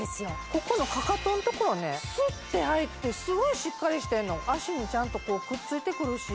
ここのかかとのところねスッて入ってスゴいしっかりしてるの足にちゃんとこうくっついてくるし